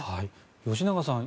吉永さん